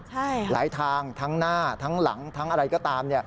หลายทางทั้งหน้าทั้งหลังทั้งอะไรก็ตาม